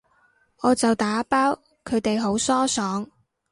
我就打包，佢哋好疏爽